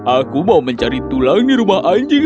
aku mau mencari tulang di rumah anjingku